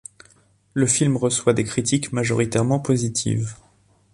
Le film reçoit des critiques majoritairement positives.